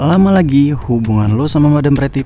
gak lama lagi hubungan lo sama madame pratt